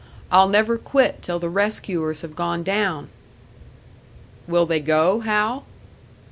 I'll never quit till the rescuers have gone down!" "Will they go, Hal?"